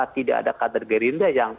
tidak ada kader gerindra yang